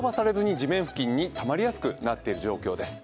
地面付近にたまりやすくなっている状況です。